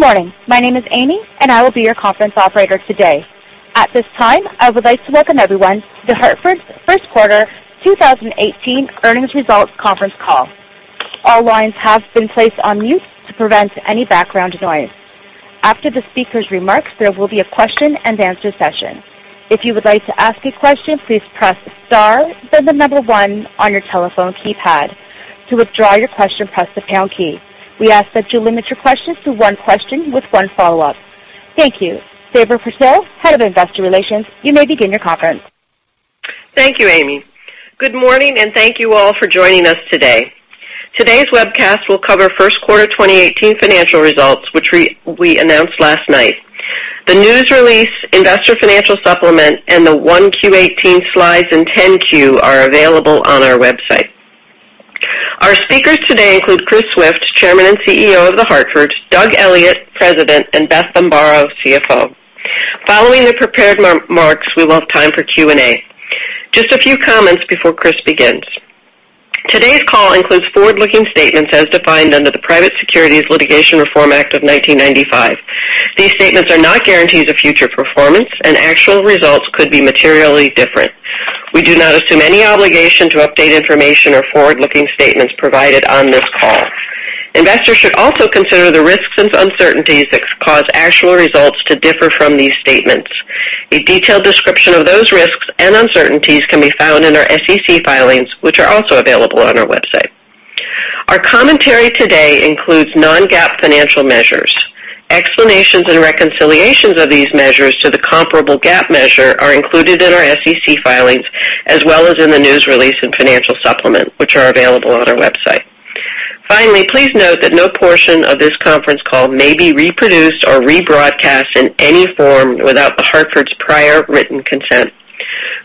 Good morning. My name is Amy, and I will be your conference operator today. At this time, I would like to welcome everyone to The Hartford's first quarter 2018 earnings results conference call. All lines have been placed on mute to prevent any background noise. After the speaker's remarks, there will be a question and answer session. If you would like to ask a question, please press star, then 1 on your telephone keypad. To withdraw your question, press the pound key. We ask that you limit your questions to 1 question with 1 follow-up. Thank you. Sabra Purtill, head of investor relations, you may begin your conference. Thank you, Amy. Good morning, and thank you all for joining us today. Today's webcast will cover first quarter 2018 financial results, which we announced last night. The news release, investor financial supplement, and the 1Q18 slides and 10-Q are available on our website. Our speakers today include Chris Swift, Chairman and Chief Executive Officer of The Hartford, Doug Elliot, President, and Beth Bombara, Chief Financial Officer. Following the prepared remarks, we will have time for Q&A. Just a few comments before Chris begins. Today's call includes forward-looking statements as defined under the Private Securities Litigation Reform Act of 1995. These statements are not guarantees of future performance, and actual results could be materially different. We do not assume any obligation to update information or forward-looking statements provided on this call. Investors should also consider the risks and uncertainties that cause actual results to differ from these statements. A detailed description of those risks and uncertainties can be found in our SEC filings, which are also available on our website. Our commentary today includes non-GAAP financial measures. Explanations and reconciliations of these measures to the comparable GAAP measure are included in our SEC filings as well as in the news release and financial supplement, which are available on our website. Finally, please note that no portion of this conference call may be reproduced or rebroadcast in any form without The Hartford's prior written consent.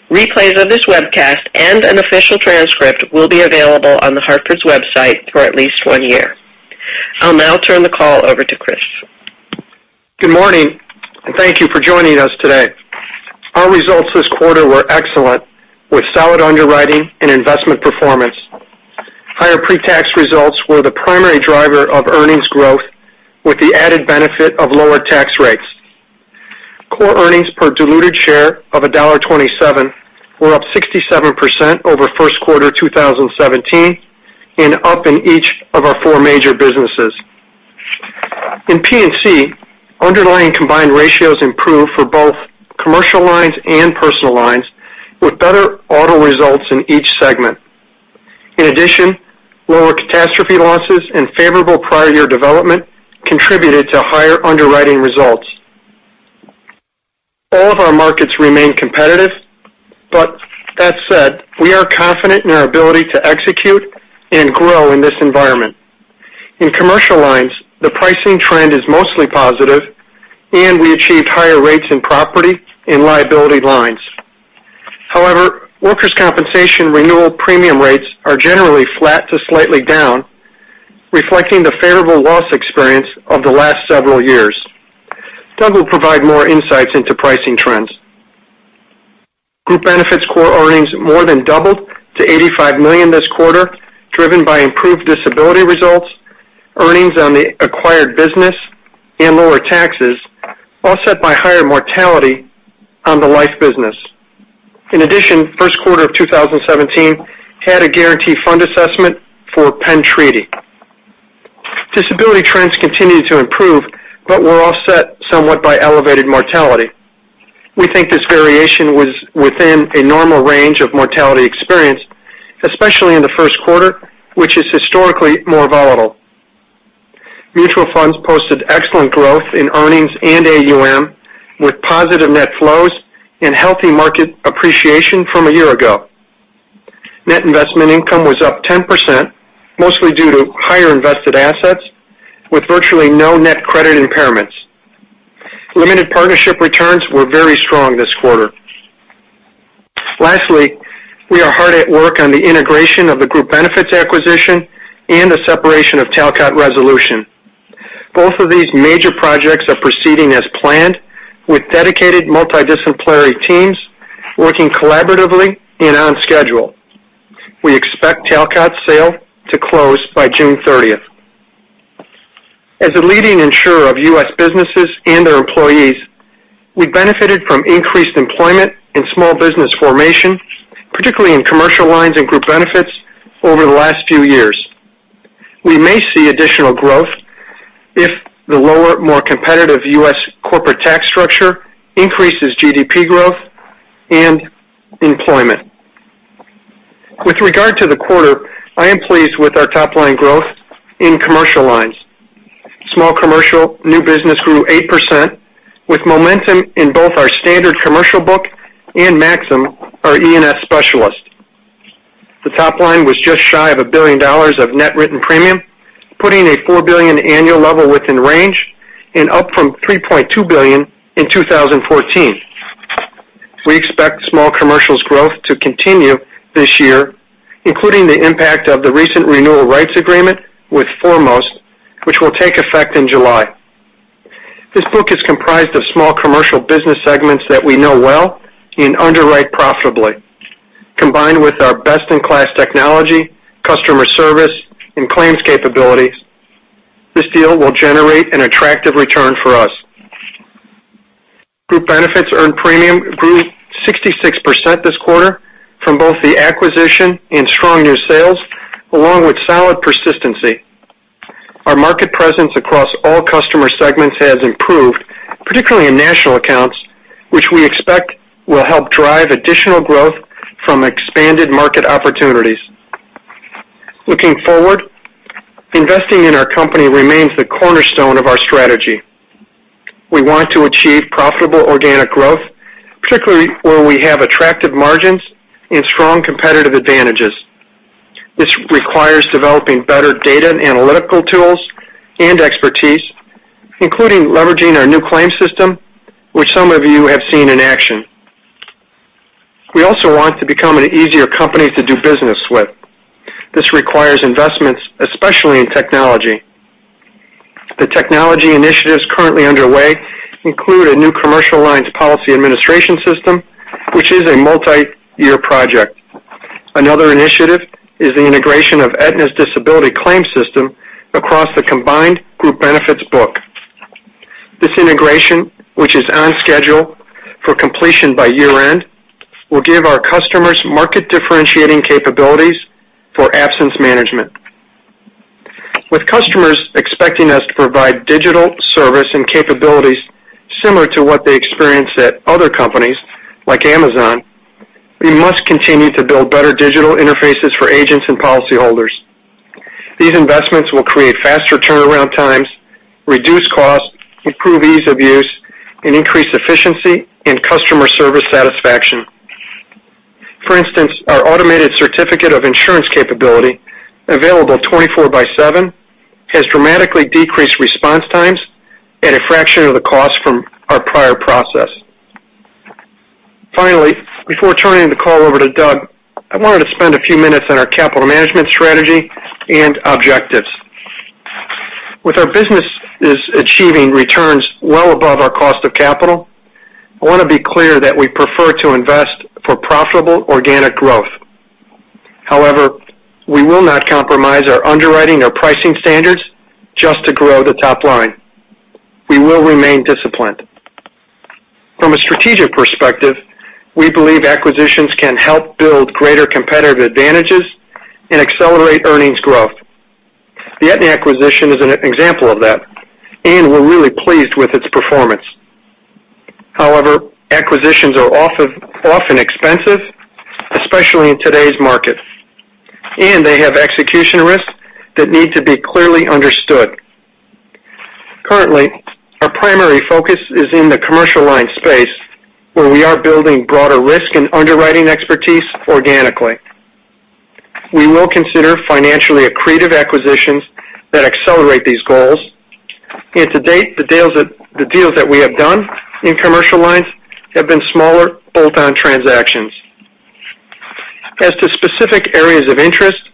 Replays of this webcast and an official transcript will be available on The Hartford's website for at least one year. I'll now turn the call over to Chris. Good morning, and thank you for joining us today. Our results this quarter were excellent, with solid underwriting and investment performance. Higher pre-tax results were the primary driver of earnings growth, with the added benefit of lower tax rates. Core earnings per diluted share of $1.27 were up 67% over first quarter 2017 and up in each of our four major businesses. In P&C, underlying combined ratios improved for both commercial lines and personal lines, with better auto results in each segment. In addition, lower catastrophe losses and favorable prior year development contributed to higher underwriting results. All of our markets remain competitive, but that said, we are confident in our ability to execute and grow in this environment. In commercial lines, the pricing trend is mostly positive, and we achieved higher rates in property and liability lines. However, workers' compensation renewal premium rates are generally flat to slightly down, reflecting the favorable loss experience of the last several years. Doug will provide more insights into pricing trends. Group Benefits core earnings more than doubled to $85 million this quarter, driven by improved disability results, earnings on the acquired business and lower taxes, offset by higher mortality on the life business. In addition, first quarter of 2017 had a guarantee fund assessment for Penn Treaty. Disability trends continued to improve but were offset somewhat by elevated mortality. We think this variation was within a normal range of mortality experience, especially in the first quarter, which is historically more volatile. Mutual funds posted excellent growth in earnings and AUM, with positive net flows and healthy market appreciation from a year ago. Net investment income was up 10%, mostly due to higher invested assets with virtually no net credit impairments. Limited partnership returns were very strong this quarter. Lastly, we are hard at work on the integration of the Group Benefits acquisition and the separation of Talcott Resolution. Both of these major projects are proceeding as planned, with dedicated multidisciplinary teams working collaboratively and on schedule. We expect Talcott's sale to close by June 30th. As a leading insurer of U.S. businesses and their employees, we benefited from increased employment and small business formation, particularly in commercial lines and group benefits over the last few years. We may see additional growth if the lower, more competitive U.S. corporate tax structure increases GDP growth and employment. With regard to the quarter, I am pleased with our top-line growth in commercial lines. Small commercial new business grew 8%, with momentum in both our standard commercial book and Maxum, our E&S specialist. The top line was just shy of $1 billion of net written premium, putting a $4 billion annual level within range and up from $3.2 billion in 2014. We expect small commercial's growth to continue this year, including the impact of the recent renewal rights agreement with Foremost, which will take effect in July. This book is comprised of small commercial business segments that we know well and underwrite profitably. Combined with our best-in-class technology, customer service, and claims capabilities, this deal will generate an attractive return for us. Group benefits earned premium grew 66% this quarter from both the acquisition and strong new sales, along with solid persistency. Our market presence across all customer segments has improved, particularly in national accounts, which we expect will help drive additional growth from expanded market opportunities. Looking forward, investing in our company remains the cornerstone of our strategy. We want to achieve profitable organic growth, particularly where we have attractive margins and strong competitive advantages. This requires developing better data and analytical tools and expertise, including leveraging our new claim system, which some of you have seen in action. We also want to become an easier company to do business with. This requires investments, especially in technology. The technology initiatives currently underway include a new commercial lines policy administration system, which is a multi-year project. Another initiative is the integration of Aetna's disability claim system across the combined group benefits book. This integration, which is on schedule for completion by year-end, will give our customers market-differentiating capabilities for absence management. With customers expecting us to provide digital service and capabilities similar to what they experience at other companies like Amazon, we must continue to build better digital interfaces for agents and policyholders. These investments will create faster turnaround times, reduce costs, improve ease of use, and increase efficiency in customer service satisfaction. For instance, our automated certificate of insurance capability, available 24 by seven, has dramatically decreased response times at a fraction of the cost from our prior process. Finally, before turning the call over to Doug, I wanted to spend a few minutes on our capital management strategy and objectives. With our businesses achieving returns well above our cost of capital, I want to be clear that we prefer to invest for profitable organic growth. However, we will not compromise our underwriting or pricing standards just to grow the top line. We will remain disciplined. From a strategic perspective, we believe acquisitions can help build greater competitive advantages and accelerate earnings growth. The Aetna acquisition is an example of that, and we're really pleased with its performance. Acquisitions are often expensive, especially in today's market, and they have execution risks that need to be clearly understood. Currently, our primary focus is in the commercial line space, where we are building broader risk and underwriting expertise organically. We will consider financially accretive acquisitions that accelerate these goals. To date, the deals that we have done in commercial lines have been smaller bolt-on transactions. As to specific areas of interest,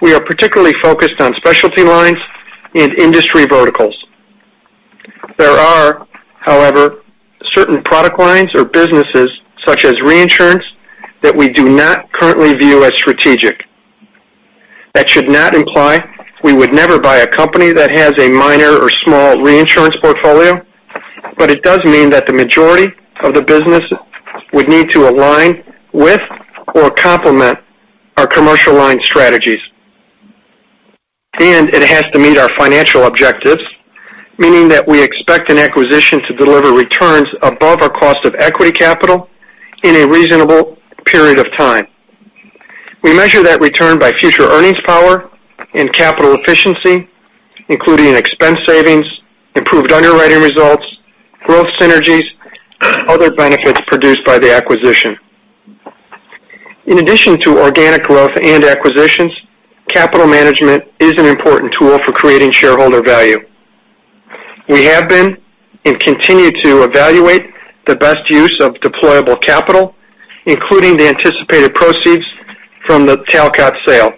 we are particularly focused on specialty lines and industry verticals. There are, however, certain product lines or businesses such as reinsurance that we do not currently view as strategic. That should not imply we would never buy a company that has a minor or small reinsurance portfolio, but it does mean that the majority of the business would need to align with or complement our commercial line strategies. It has to meet our financial objectives, meaning that we expect an acquisition to deliver returns above our cost of equity capital in a reasonable period of time. We measure that return by future earnings power and capital efficiency, including expense savings, improved underwriting results, growth synergies, other benefits produced by the acquisition. In addition to organic growth and acquisitions, capital management is an important tool for creating shareholder value. We have been and continue to evaluate the best use of deployable capital, including the anticipated proceeds from the Talcott sale,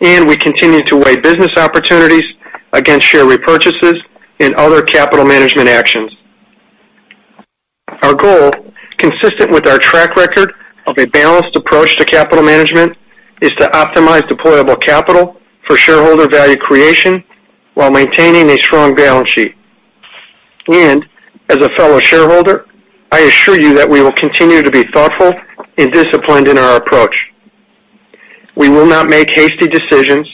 and we continue to weigh business opportunities against share repurchases and other capital management actions. Our goal, consistent with our track record of a balanced approach to capital management, is to optimize deployable capital for shareholder value creation while maintaining a strong balance sheet. As a fellow shareholder, I assure you that we will continue to be thoughtful and disciplined in our approach. We will not make hasty decisions,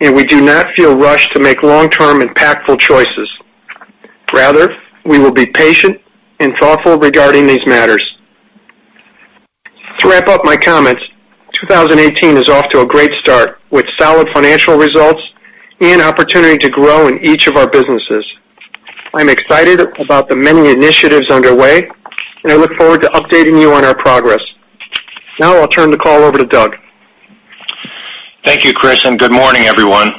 and we do not feel rushed to make long-term impactful choices. Rather, we will be patient and thoughtful regarding these matters. To wrap up my comments, 2018 is off to a great start, with solid financial results and opportunity to grow in each of our businesses. I'm excited about the many initiatives underway, and I look forward to updating you on our progress. Now I'll turn the call over to Doug. Thank you, Chris, and good morning, everyone.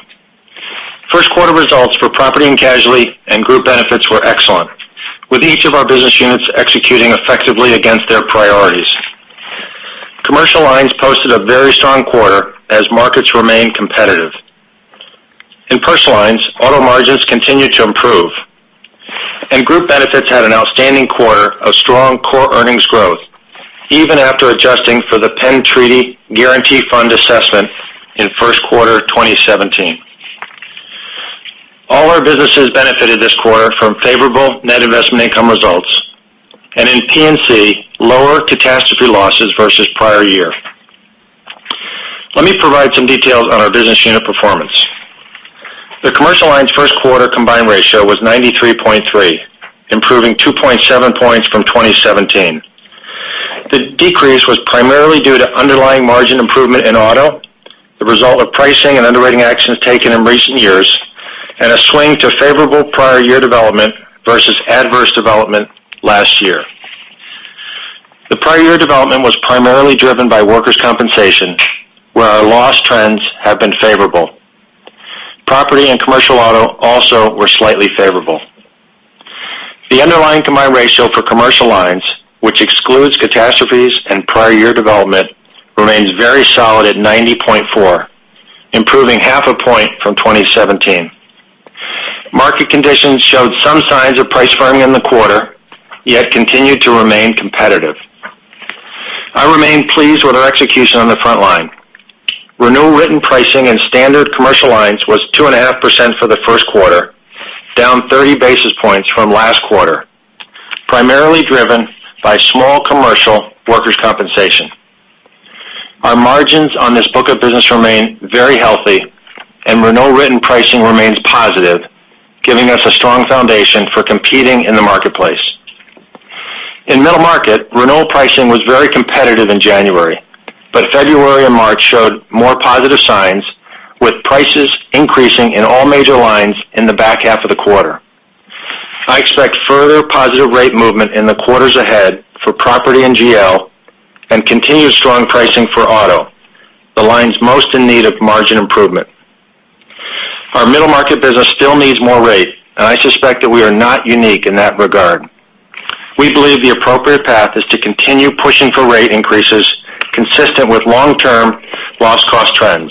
First quarter results for property and casualty and group benefits were excellent, with each of our business units executing effectively against their priorities. Commercial lines posted a very strong quarter as markets remain competitive. Lines auto margins continue to improve. Group benefits had an outstanding quarter of strong core earnings growth, even after adjusting for the Penn Treaty Guaranty Fund assessment in first quarter 2017. All our businesses benefited this quarter from favorable net investment income results, and in P&C, lower catastrophe losses versus prior year. Let me provide some details on our business unit performance. The commercial lines first quarter combined ratio was 93.3, improving 2.7 points from 2017. The decrease was primarily due to underlying margin improvement in auto, the result of pricing and underwriting actions taken in recent years, and a swing to favorable prior year development versus adverse development last year. The prior year development was primarily driven by workers' compensation, where our loss trends have been favorable. Property and commercial auto also were slightly favorable. The underlying combined ratio for commercial lines, which excludes catastrophes and prior year development, remains very solid at 90.4, improving half a point from 2017. Market conditions showed some signs of price firming in the quarter, yet continued to remain competitive. I remain pleased with our execution on the front line. Renewal written pricing in standard commercial lines was 2.5% for the first quarter, down 30 basis points from last quarter, primarily driven by small commercial workers' compensation. Our margins on this book of business remain very healthy, and renewal written pricing remains positive, giving us a strong foundation for competing in the marketplace. In middle market, renewal pricing was very competitive in January, but February and March showed more positive signs, with prices increasing in all major lines in the back half of the quarter. I expect further positive rate movement in the quarters ahead for property and GL, and continued strong pricing for auto, the lines most in need of margin improvement. Our middle market business still needs more rate, and I suspect that we are not unique in that regard. We believe the appropriate path is to continue pushing for rate increases consistent with long-term loss cost trends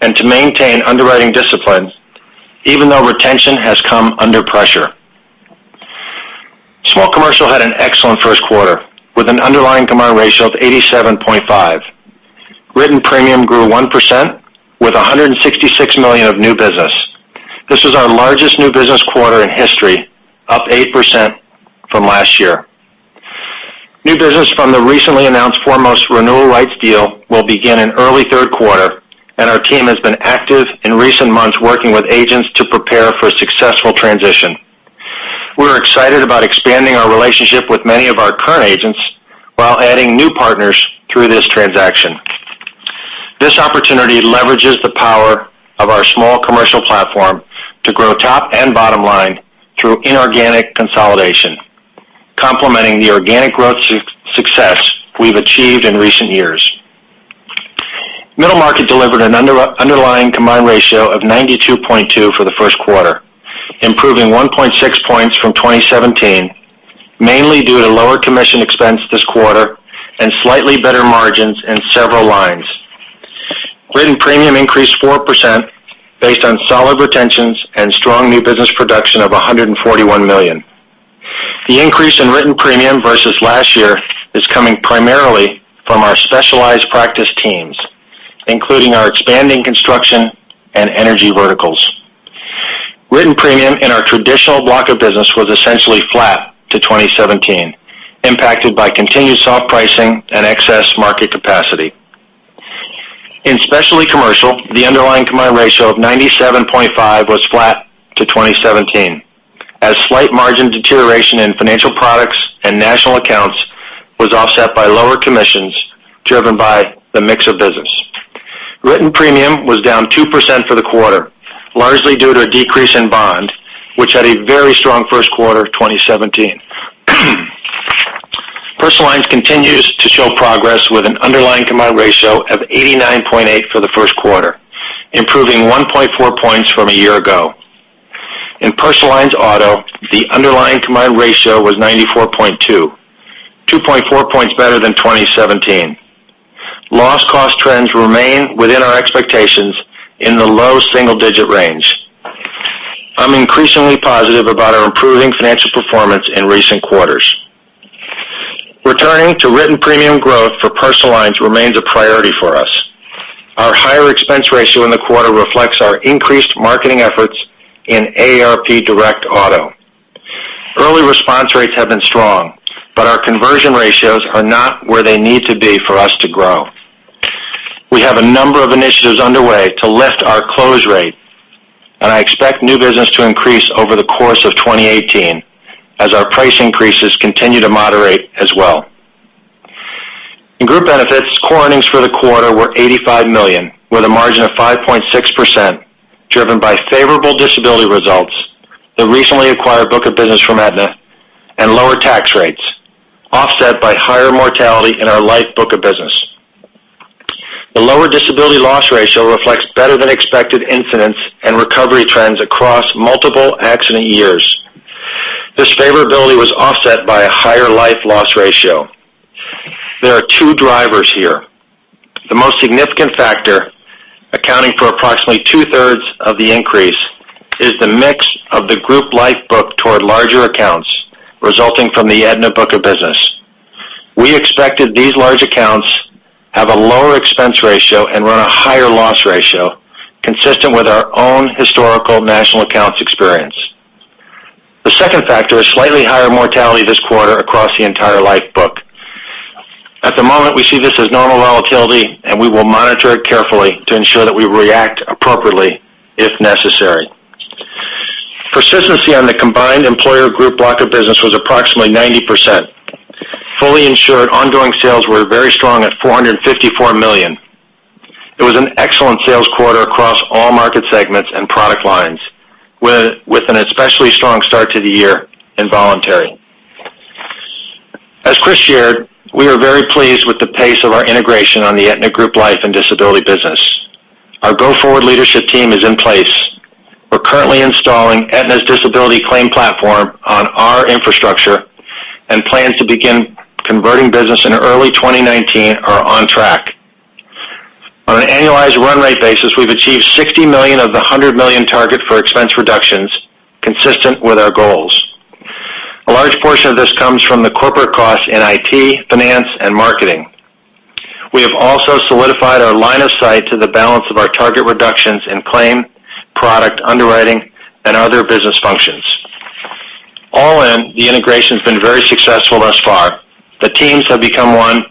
and to maintain underwriting discipline, even though retention has come under pressure. Small commercial had an excellent first quarter, with an underlying combined ratio of 87.5. Written premium grew 1%, with $166 million of new business. This was our largest new business quarter in history, up 8% from last year. New business from the recently announced Foremost renewal rights deal will begin in early third quarter, and our team has been active in recent months, working with agents to prepare for a successful transition. We're excited about expanding our relationship with many of our current agents while adding new partners through this transaction. This opportunity leverages the power of our small commercial platform to grow top and bottom line through inorganic consolidation, complementing the organic growth success we've achieved in recent years. Middle market delivered an underlying combined ratio of 92.2 for the first quarter, improving 1.6 points from 2017, mainly due to lower commission expense this quarter and slightly better margins in several lines. Written premium increased 4%, based on solid retentions and strong new business production of $141 million. The increase in written premium versus last year is coming primarily from our specialized practice teams, including our expanding construction and energy verticals. Written premium in our traditional block of business was essentially flat to 2017, impacted by continued soft pricing and excess market capacity. In specialty commercial, the underlying combined ratio of 97.5% was flat to 2017, as slight margin deterioration in financial products and national accounts was offset by lower commissions driven by the mix of business. Written premium was down 2% for the quarter, largely due to a decrease in bond, which had a very strong first quarter 2017. Personal lines continues to show progress with an underlying combined ratio of 89.8% for the first quarter, improving 1.4 points from a year ago. In personal lines auto, the underlying combined ratio was 94.2%, 2.4 points better than 2017. Loss cost trends remain within our expectations in the low single-digit range. I'm increasingly positive about our improving financial performance in recent quarters. Returning to written premium growth for personal lines remains a priority for us. Our higher expense ratio in the quarter reflects our increased marketing efforts in AARP Direct Auto. Early response rates have been strong, but our conversion ratios are not where they need to be for us to grow. We have a number of initiatives underway to lift our close rate, and I expect new business to increase over the course of 2018 as our price increases continue to moderate as well. In group benefits, core earnings for the quarter were $85 million, with a margin of 5.6%, driven by favorable disability results, the recently acquired book of business from Aetna, and lower tax rates, offset by higher mortality in our life book of business. The lower disability loss ratio reflects better than expected incidents and recovery trends across multiple accident years. This favorability was offset by a higher life loss ratio. There are two drivers here. The most significant factor, accounting for approximately two-thirds of the increase, is the mix of the group life book toward larger accounts resulting from the Aetna book of business. We expected these large accounts have a lower expense ratio and run a higher loss ratio consistent with our own historical national accounts experience. The second factor is slightly higher mortality this quarter across the entire life book. At the moment, we see this as normal volatility, and we will monitor it carefully to ensure that we react appropriately if necessary. Persistency on the combined employer group block of business was approximately 90%. Fully insured ongoing sales were very strong at $454 million. It was an excellent sales quarter across all market segments and product lines, with an especially strong start to the year in voluntary. As Chris shared, we are very pleased with the pace of our integration on the Aetna Group Life and Disability business. Our go-forward leadership team is in place. We're currently installing Aetna's disability claim platform on our infrastructure and plans to begin converting business in early 2019 are on track. On an annualized run rate basis, we've achieved $60 million of the $100 million target for expense reductions consistent with our goals. A large portion of this comes from the corporate cost in IT, finance, and marketing. We have also solidified our line of sight to the balance of our target reductions in claim, product underwriting, and other business functions. All in, the integration's been very successful thus far. The teams have become one,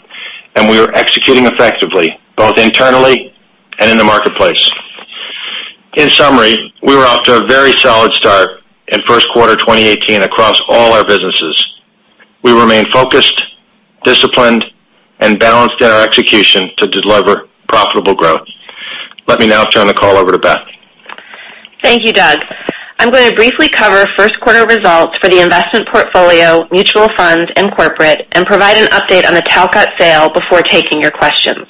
and we are executing effectively, both internally and in the marketplace. In summary, we were off to a very solid start in first quarter 2018 across all our businesses. We remain focused, disciplined, and balanced in our execution to deliver profitable growth. Let me now turn the call over to Beth. Thank you, Doug. I'm going to briefly cover first quarter results for the investment portfolio, mutual funds, and corporate, and provide an update on the Talcott sale before taking your questions.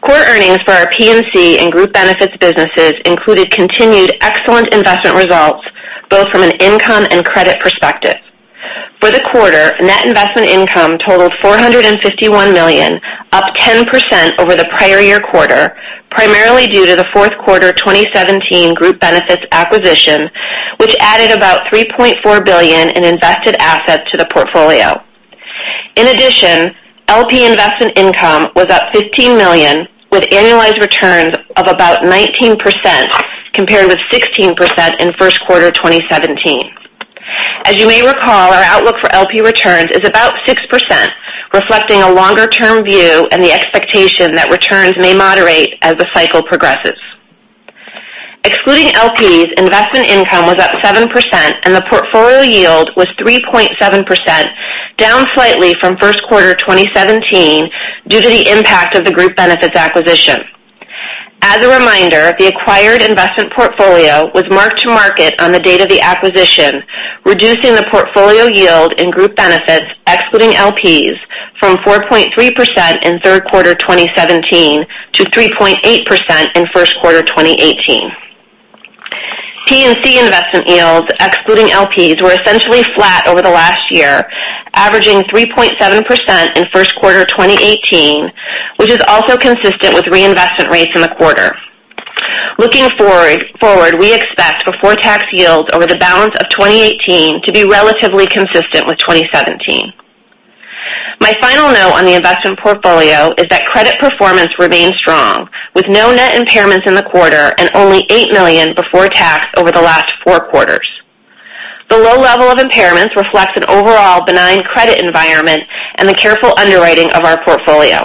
Core earnings for our P&C and group benefits businesses included continued excellent investment results, both from an income and credit perspective. For the quarter, net investment income totaled $451 million, up 10% over the prior year quarter, primarily due to the fourth quarter 2017 group benefits acquisition, which added about $3.4 billion in invested assets to the portfolio. In addition, LP investment income was up $15 million with annualized returns of about 19%, compared with 16% in first quarter 2017. As you may recall, our outlook for LP returns is about 6%, reflecting a longer-term view and the expectation that returns may moderate as the cycle progresses. Excluding LPs, investment income was up 7%, and the portfolio yield was 3.7%, down slightly from first quarter 2017 due to the impact of the group benefits acquisition. As a reminder, the acquired investment portfolio was marked to market on the date of the acquisition, reducing the portfolio yield in group benefits, excluding LPs, from 4.3% in third quarter 2017 to 3.8% in first quarter 2018. P&C investment yields, excluding LPs, were essentially flat over the last year, averaging 3.7% in first quarter 2018, which is also consistent with reinvestment rates in the quarter. Looking forward, we expect before-tax yields over the balance of 2018 to be relatively consistent with 2017. My final note on the investment portfolio is that credit performance remains strong, with no net impairments in the quarter and only $8 million before tax over the last four quarters. The low level of impairments reflects an overall benign credit environment and the careful underwriting of our portfolio.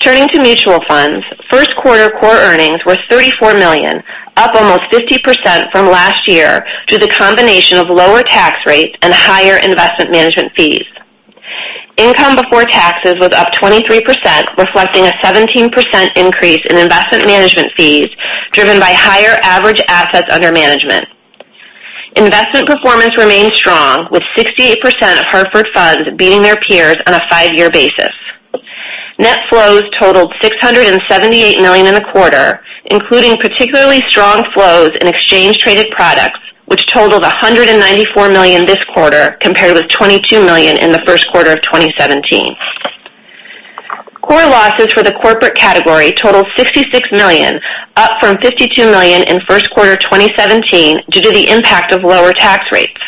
Turning to mutual funds, first quarter core earnings were $34 million, up almost 50% from last year due to the combination of lower tax rates and higher investment management fees. Income before taxes was up 23%, reflecting a 17% increase in investment management fees driven by higher average assets under management. Investment performance remains strong, with 68% of Hartford Funds beating their peers on a five-year basis. Net flows totaled $678 million in the quarter, including particularly strong flows in exchange traded products, which totaled $194 million this quarter compared with $22 million in the first quarter of 2017. Core losses for the corporate category totaled $66 million, up from $52 million in first quarter 2017 due to the impact of lower tax rates.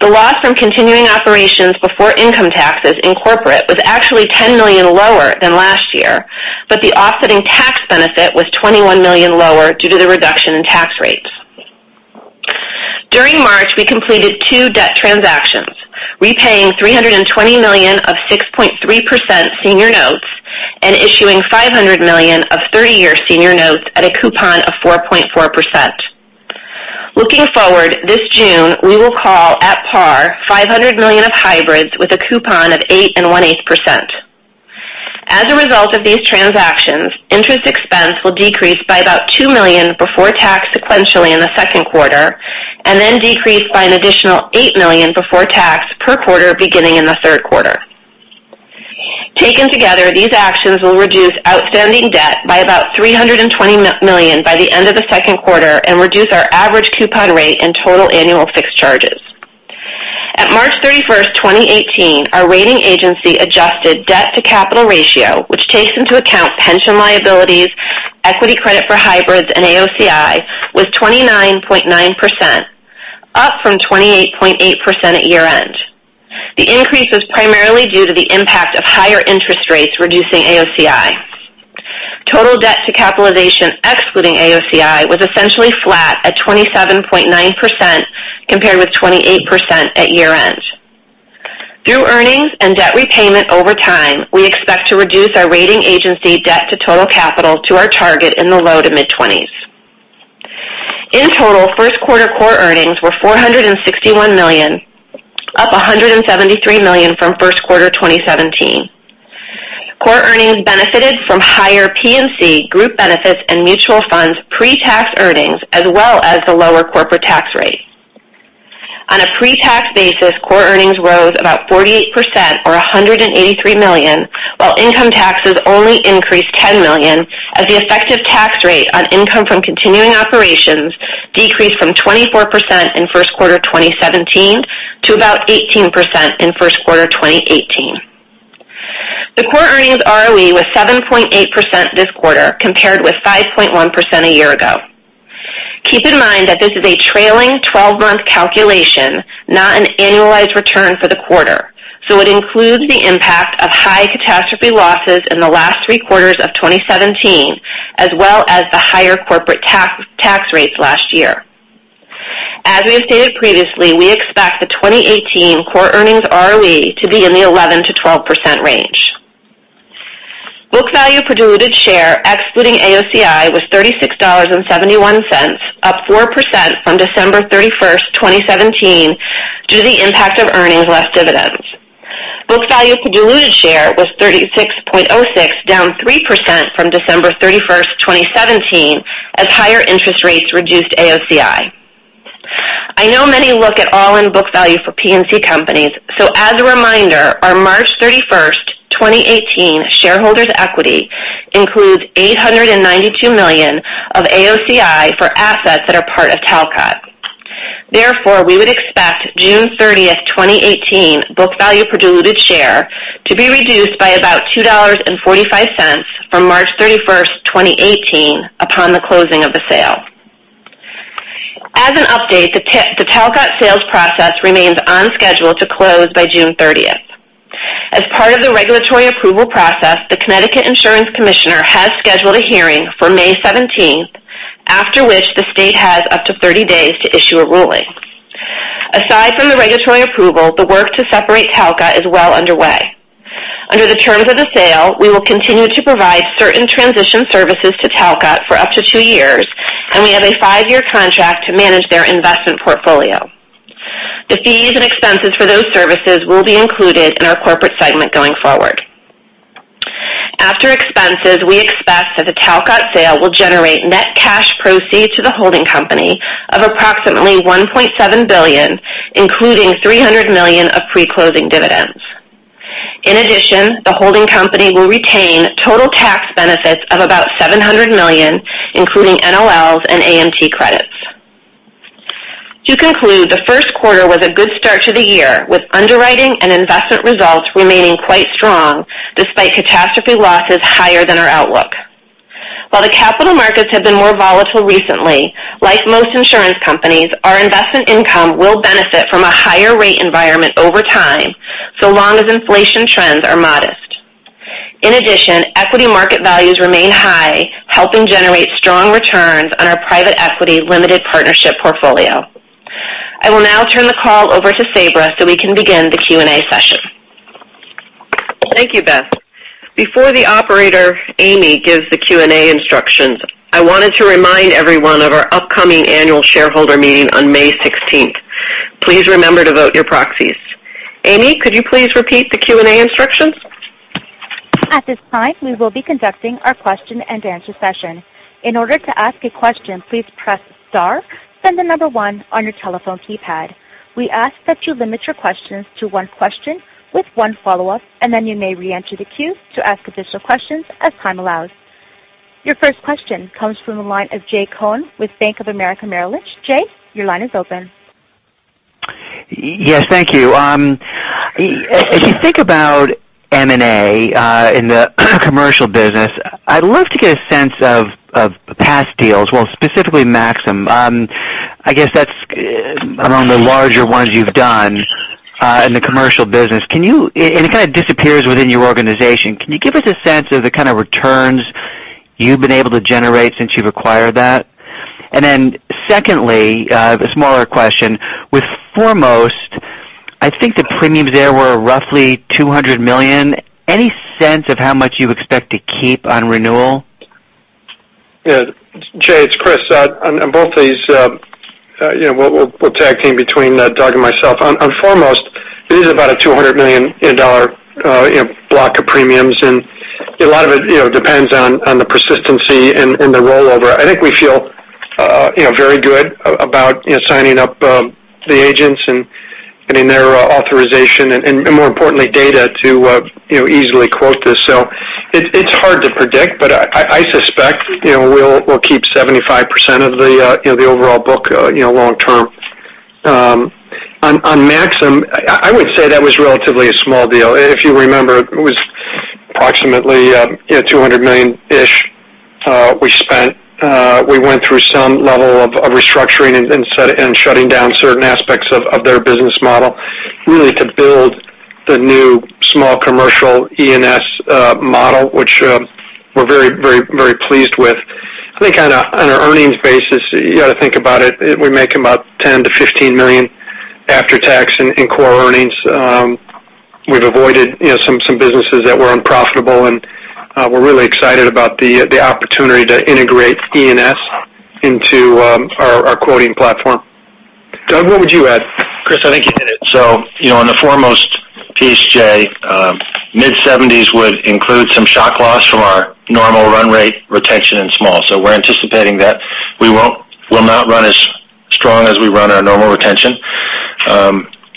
The loss from continuing operations before income taxes in corporate was actually $10 million lower than last year. The offsetting tax benefit was $21 million lower due to the reduction in tax rates. During March, we completed two debt transactions, repaying $320 million of 6.3% senior notes and issuing $500 million of three-year senior notes at a coupon of 4.4%. Looking forward, this June, we will call at par $500 million of hybrids with a coupon of 8 1/8%. As a result of these transactions, interest expense will decrease by about $2 million before tax sequentially in the second quarter and then decrease by an additional $8 million before tax per quarter beginning in the third quarter. Taken together, these actions will reduce outstanding debt by about $320 million by the end of the second quarter and reduce our average coupon rate and total annual fixed charges. At March 31st, 2018, our rating agency adjusted debt to capital ratio, which takes into account pension liabilities, equity credit for hybrids, and AOCI, was 29.9%, up from 28.8% at year-end. The increase was primarily due to the impact of higher interest rates reducing AOCI. Total debt to capitalization excluding AOCI was essentially flat at 27.9%, compared with 28% at year-end. Through earnings and debt repayment over time, we expect to reduce our rating agency debt to total capital to our target in the low to mid-20s. In total, first quarter core earnings were $461 million, up $173 million from first quarter 2017. Core earnings benefited from higher P&C group benefits and mutual funds pre-tax earnings as well as the lower corporate tax rate. On a pre-tax basis, core earnings rose about 48%, or $183 million, while income taxes only increased $10 million as the effective tax rate on income from continuing operations decreased from 24% in first quarter 2017 to about 18% in first quarter 2018. The core earnings ROE was 7.8% this quarter, compared with 5.1% a year ago. Keep in mind that this is a trailing 12-month calculation, not an annualized return for the quarter, so it includes the impact of high catastrophe losses in the last 3 quarters of 2017, as well as the higher corporate tax rates last year. As we have stated previously, we expect the 2018 core earnings ROE to be in the 11%-12% range. Book value per diluted share excluding AOCI was $36.71, up 4% from December 31st, 2017, due to the impact of earnings less dividends. Book value per diluted share was $36.06, down 3% from December 31st, 2017, as higher interest rates reduced AOCI. I know many look at all-in book value for P&C companies, so as a reminder, our March 31st, 2018 shareholder's equity includes $892 million of AOCI for assets that are part of Talcott. Therefore, we would expect June 30th, 2018 book value per diluted share to be reduced by about $2.45 from March 31st, 2018 upon the closing of the sale. As an update, the Talcott sales process remains on schedule to close by June 30th. As part of the regulatory approval process, the Connecticut Insurance Commissioner has scheduled a hearing for May 17th, after which the state has up to 30 days to issue a ruling. Aside from the regulatory approval, the work to separate Talcott is well underway. Under the terms of the sale, we will continue to provide certain transition services to Talcott for up to two years, and we have a five-year contract to manage their investment portfolio. The fees and expenses for those services will be included in our corporate segment going forward. After expenses, we expect that the Talcott sale will generate net cash proceed to the holding company of approximately $1.7 billion, including $300 million of pre-closing dividends. In addition, the holding company will retain total tax benefits of about $700 million, including NOLs and AMT credits. To conclude, the first quarter was a good start to the year, with underwriting and investment results remaining quite strong despite catastrophe losses higher than our outlook. While the capital markets have been more volatile recently, like most insurance companies, our investment income will benefit from a higher rate environment over time, so long as inflation trends are modest. In addition, equity market values remain high, helping generate strong returns on our private equity limited partnership portfolio. I will now turn the call over to Sabra so we can begin the Q&A session. Thank you, Beth. Before the operator, Amy, gives the Q&A instructions, I wanted to remind everyone of our upcoming annual shareholder meeting on May 16th. Please remember to vote your proxies. Amy, could you please repeat the Q&A instructions? At this time, we will be conducting our question and answer session. In order to ask a question, please press star, then the number one on your telephone keypad. We ask that you limit your questions to one question with one follow-up, and then you may reenter the queue to ask additional questions as time allows. Your first question comes from the line of Jay Cohen with Bank of America Merrill Lynch. Jay, your line is open. Yes, thank you. As you think about M&A in the commercial business, I'd love to get a sense of past deals. Well, specifically Maxum. I guess that's among the larger ones you've done in the commercial business. It kind of disappears within your organization. Can you give us a sense of the kind of returns you've been able to generate since you've acquired that? Secondly, a smaller question. With Foremost, I think the premiums there were roughly $200 million. Any sense of how much you expect to keep on renewal? Yeah. Jay, it's Chris. On both these, we'll tag team between Doug and myself. On Foremost, it is about a $200 million block of premiums. A lot of it depends on the persistency and the rollover. I think we feel very good about signing up the agents and getting their authorization, and more importantly, data to easily quote this. It's hard to predict, but I suspect we'll keep 75% of the overall book long term. On Maxum, I would say that was relatively a small deal. If you remember, it was approximately $200 million-ish we spent. We went through some level of restructuring and shutting down certain aspects of their business model, really to build the new small commercial E&S model, which we're very pleased with. I think on an earnings basis, you got to think about it, we're making about $10 million-$15 million after tax in core earnings. We've avoided some businesses that were unprofitable. We're really excited about the opportunity to integrate E&S into our quoting platform. Doug, what would you add? Chris, I think you hit it. On the Foremost PSJ mid-seventies would include some shock loss from our normal run rate retention in small. We're anticipating that we'll not run as strong as we run our normal retention.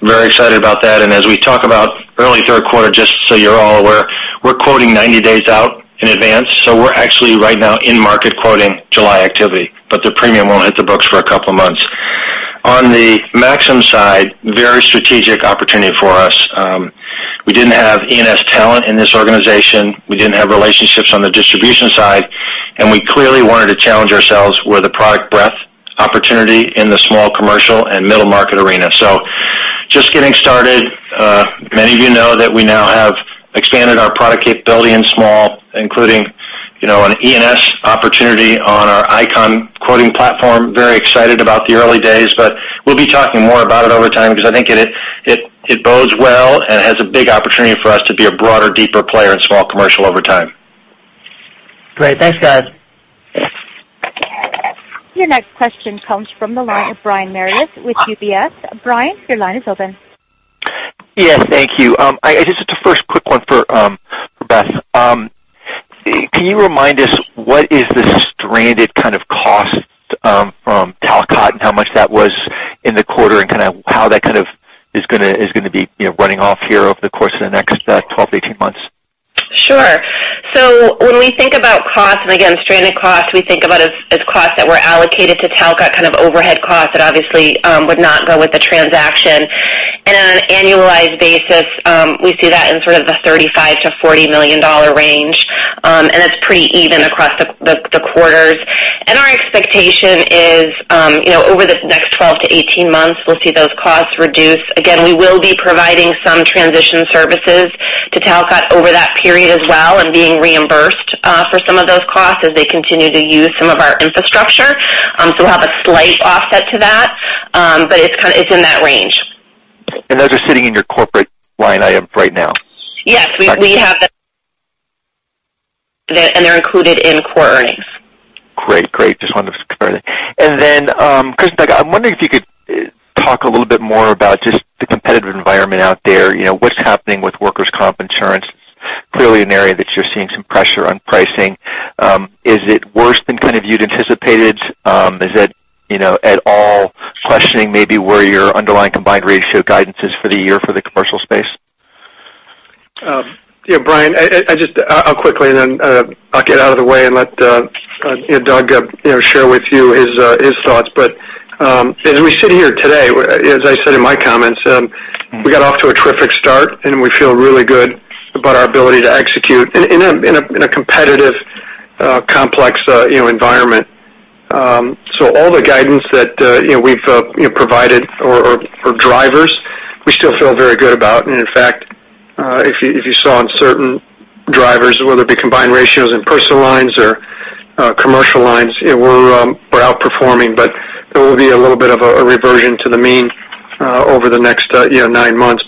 very excited about that. As we talk about early third quarter, just so you're all aware, we're quoting 90 days out in advance. We're actually right now in market quoting July activity, but the premium won't hit the books for a couple of months. On the Maxum side, very strategic opportunity for us. We didn't have E&S talent in this organization. We didn't have relationships on the distribution side. We clearly wanted to challenge ourselves with a product breadth opportunity in the small commercial and middle market arena. Just getting started. Many of you know that we now have expanded our product capability in small, including an E&S opportunity on our ICON quoting platform. Very excited about the early days, but we'll be talking more about it over time because I think it bodes well and has a big opportunity for us to be a broader, deeper player in small commercial over time. Great. Thanks, Doug. Your next question comes from the line of Brian Meredith with UBS. Brian, your line is open. Yes. Thank you. Just a first quick one for Beth. Can you remind us what is the stranded kind of cost from Talcott, and how much that was in the quarter, and how that is going to be running off here over the course of the next 12 to 18 months? Sure. When we think about costs, again, stranded costs, we think about it as costs that were allocated to Talcott, kind of overhead costs that obviously would not go with the transaction. On an annualized basis, we see that in sort of the $35 million to $40 million range, that's pretty even across the quarters. Our expectation is over the next 12 to 18 months, we'll see those costs reduce. We will be providing some transition services to Talcott over that period as well and being reimbursed for some of those costs as they continue to use some of our infrastructure. We'll have a slight offset to that, but it's in that range. Those are sitting in your corporate line item right now? Yes. We have that, they're included in core earnings. Great. Just wanted to confirm that. Then, Chris, I'm wondering if you could talk a little bit more about just the competitive environment out there. What's happening with workers' comp insurance? Clearly an area that you're seeing some pressure on pricing. Is it worse than kind of you'd anticipated? Is it at all questioning maybe where your underlying combined ratio guidance is for the year for the commercial space? Brian, I'll quickly, and then I'll get out of the way and let Doug share with you his thoughts. As we sit here today, as I said in my comments, we got off to a terrific start, and we feel really good about our ability to execute in a competitive, complex environment. All the guidance that we've provided or drivers, we still feel very good about. In fact, if you saw on certain drivers, whether it be combined ratios in personal lines or commercial lines, we're outperforming. There will be a little bit of a reversion to the mean over the next nine months.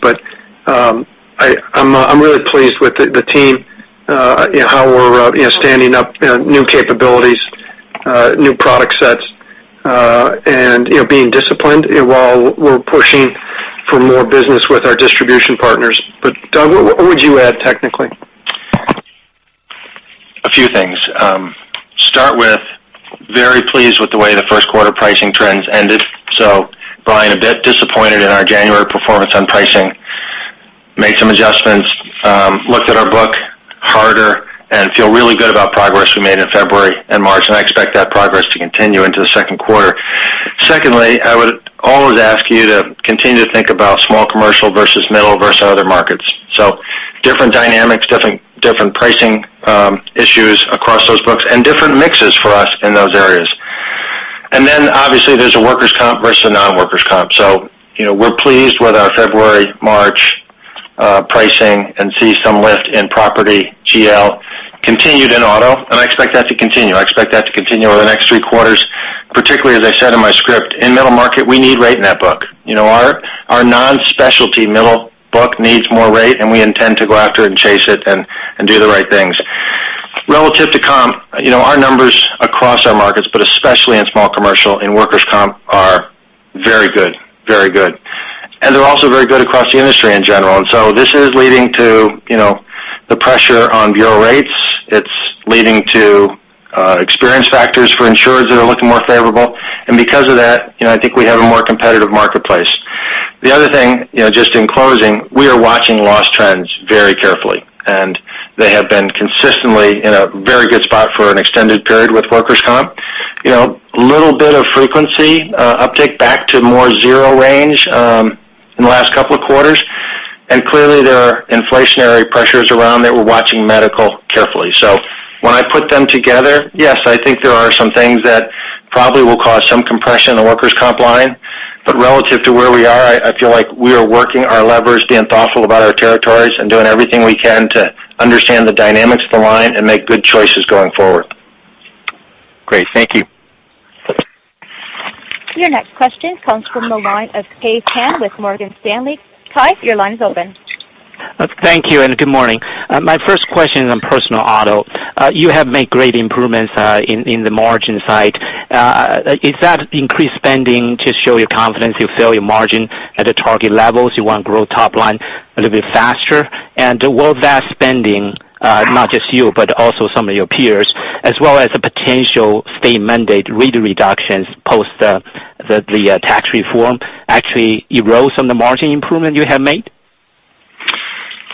I'm really pleased with the team, how we're standing up new capabilities, new product sets, and being disciplined while we're pushing for more business with our distribution partners. Doug, what would you add technically? A few things. Start with very pleased with the way the first quarter pricing trends ended. Brian, a bit disappointed in our January performance on pricing. Made some adjustments, looked at our book harder, and feel really good about progress we made in February and March, and I expect that progress to continue into the second quarter. Secondly, I would always ask you to continue to think about small commercial versus middle versus other markets. Different dynamics, different pricing issues across those books, and different mixes for us in those areas. Then obviously, there's a workers' comp versus non-workers' comp. We're pleased with our February, March pricing and see some lift in property GL continued in auto, and I expect that to continue. I expect that to continue over the next three quarters, particularly as I said in my script, in middle market, we need rate in that book. Our non-specialty middle book needs more rate, and we intend to go after it and chase it and do the right things. Relative to comp, our numbers across our markets, but especially in small commercial, in workers' comp. Very good. They're also very good across the industry in general. This is leading to the pressure on bureau rates. It's leading to experience factors for insurers that are looking more favorable. Because of that, I think we have a more competitive marketplace. The other thing, just in closing, we are watching loss trends very carefully, and they have been consistently in a very good spot for an extended period with workers' comp. Little bit of frequency uptick back to more zero range in the last couple of quarters. Clearly, there are inflationary pressures around that. We're watching medical carefully. When I put them together, yes, I think there are some things that probably will cause some compression in the workers' comp line, but relative to where we are, I feel like we are working our levers, being thoughtful about our territories, and doing everything we can to understand the dynamics of the line and make good choices going forward. Great. Thank you. Your next question comes from the line of Kai Pan with Morgan Stanley. Kai, your line is open. Thank you. Good morning. My first question is on personal auto. You have made great improvements in the margin side. Is that increased spending to show your confidence you'll fill your margin at the target levels, you want to grow top line a little bit faster? Will that spending, not just you, but also some of your peers, as well as the potential state mandate rate reductions post the tax reform, actually erode some of the margin improvement you have made?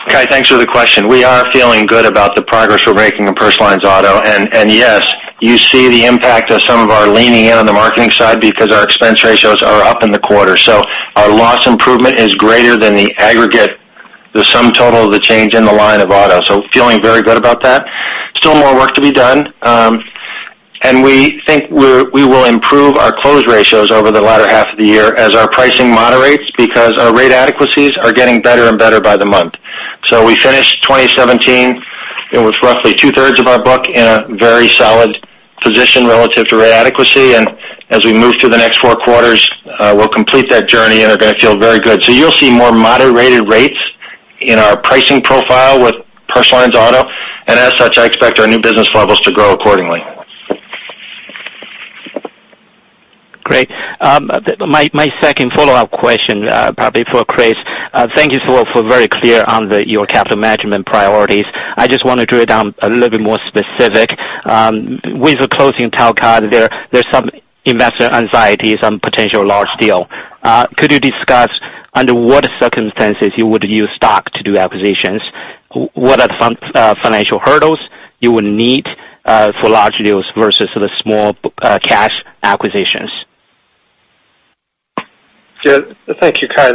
Kai, thanks for the question. We are feeling good about the progress we're making in personal lines auto. Yes, you see the impact of some of our leaning in on the marketing side because our expense ratios are up in the quarter. Our loss improvement is greater than the aggregate, the sum total of the change in the line of auto. Feeling very good about that. Still more work to be done. We think we will improve our close ratios over the latter half of the year as our pricing moderates because our rate adequacies are getting better and better by the month. We finished 2017 with roughly two-thirds of our book in a very solid position relative to rate adequacy. As we move through the next four quarters, we'll complete that journey and are going to feel very good. You'll see more moderated rates in our pricing profile with Personal Lines auto. As such, I expect our new business levels to grow accordingly. Great. My second follow-up question, probably for Chris. Thank you, as well, for very clear on your capital management priorities. I just want to drill down a little bit more specific. With the closing of Talcott, there's some investor anxiety, some potential large deal. Could you discuss under what circumstances you would use stock to do acquisitions? What are financial hurdles you would need for large deals versus the small cash acquisitions? Thank you, Kai.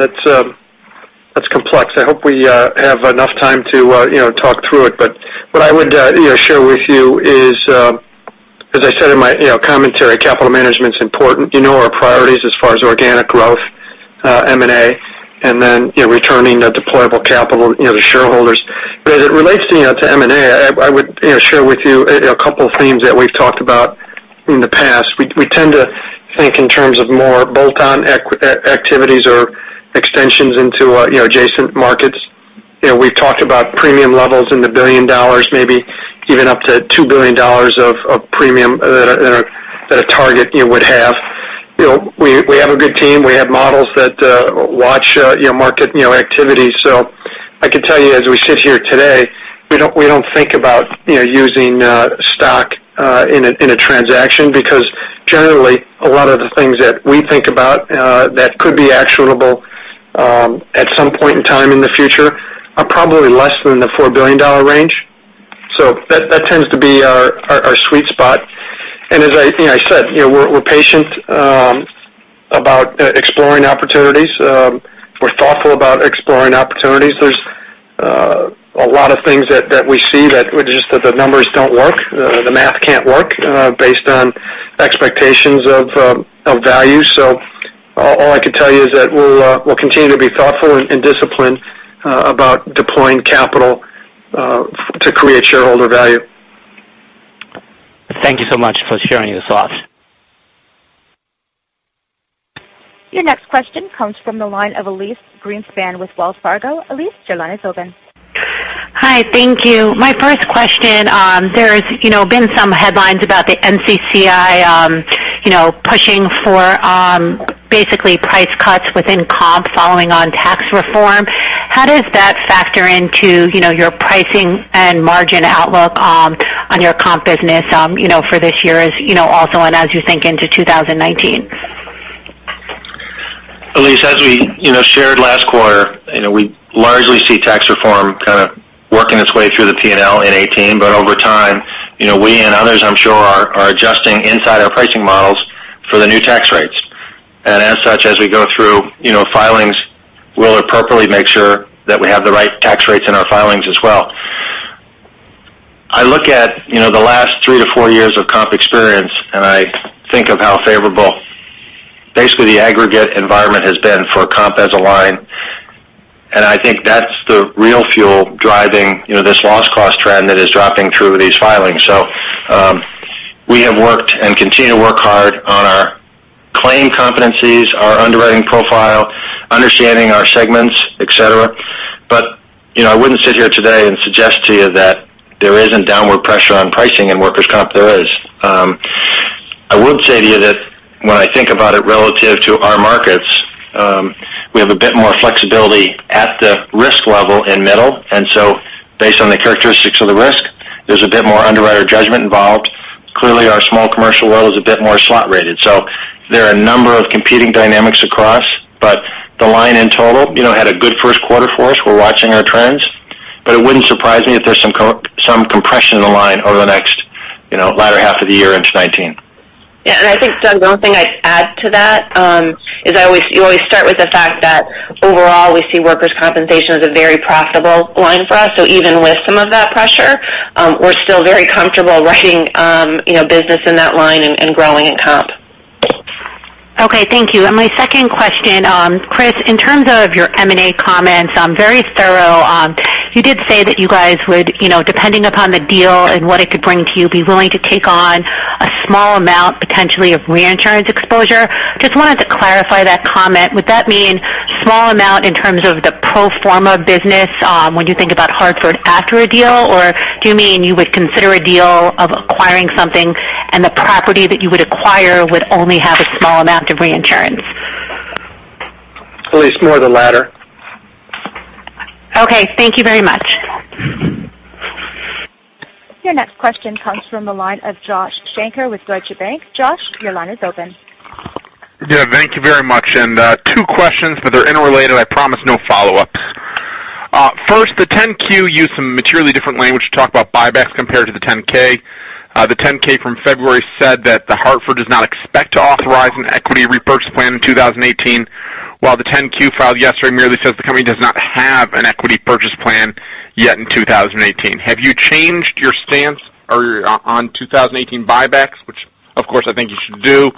That's complex. I hope we have enough time to talk through it. What I would share with you is, as I said in my commentary, capital management's important. You know our priorities as far as organic growth, M&A, and then returning the deployable capital to shareholders. As it relates to M&A, I would share with you a couple of themes that we've talked about in the past. We tend to think in terms of more bolt-on activities or extensions into adjacent markets. We've talked about premium levels in the $1 billion, maybe even up to $2 billion of premium that a target would have. We have a good team. We have models that watch market activity. I can tell you, as we sit here today, we don't think about using stock in a transaction because generally, a lot of the things that we think about that could be actionable at some point in time in the future are probably less than the $4 billion range. That tends to be our sweet spot. As I said, we're patient about exploring opportunities. We're thoughtful about exploring opportunities. There's a lot of things that we see that just that the numbers don't work, the math can't work based on expectations of value. All I can tell you is that we'll continue to be thoughtful and disciplined about deploying capital to create shareholder value. Thank you so much for sharing your thoughts. Your next question comes from the line of Elyse Greenspan with Wells Fargo. Elyse, your line is open. Hi, thank you. My first question, there's been some headlines about the NCCI pushing for basically price cuts within comp following on tax reform. How does that factor into your pricing and margin outlook on your comp business for this year also, and as you think into 2019? Elyse, as we shared last quarter, we largely see tax reform kind of working its way through the P&L in 2018. Over time, we and others, I'm sure, are adjusting inside our pricing models for the new tax rates. As such, as we go through filings, we'll appropriately make sure that we have the right tax rates in our filings as well. I look at the last three to four years of comp experience, and I think of how favorable basically the aggregate environment has been for comp as a line, and I think that's the real fuel driving this loss cost trend that is dropping through these filings. We have worked and continue to work hard on our claim competencies, our underwriting profile, understanding our segments, et cetera. I wouldn't sit here today and suggest to you that there isn't downward pressure on pricing in workers' comp. There is. I would say to you that when I think about it relative to our markets, we have a bit more flexibility at the risk level in middle. Based on the characteristics of the risk, there's a bit more underwriter judgment involved. Clearly, our small commercial world is a bit more slot rated. There are a number of competing dynamics across, but the line in total had a good first quarter for us. We're watching our trends. It wouldn't surprise me if there's some compression in the line over the next latter half of the year into 2019. I think, Doug, one thing I'd add to that is you always start with the fact that overall, we see workers' compensation as a very profitable line for us. Even with some of that pressure, we're still very comfortable writing business in that line and growing in comp. My second question, Chris, in terms of your M&A comments, very thorough. You did say that you guys would, depending upon the deal and what it could bring to you, be willing to take on a small amount, potentially, of reinsurance exposure. Just wanted to clarify that comment. Would that mean a small amount in terms of the pro forma business when you think about Hartford after a deal? Or do you mean you would consider a deal of acquiring something, and the property that you would acquire would only have a small amount of reinsurance? Elyse, more the latter. Okay. Thank you very much. Your next question comes from the line of Josh Shanker with Deutsche Bank. Josh, your line is open. Thank you very much. Two questions, but they're interrelated. I promise no follow-ups. First, the 10-Q used some materially different language to talk about buybacks compared to the 10-K. The 10-K from February said that The Hartford does not expect to authorize an equity repurchase plan in 2018, while the 10-Q filed yesterday merely says the company does not have an equity purchase plan yet in 2018. Have you changed your stance on 2018 buybacks, which of course I think you should do?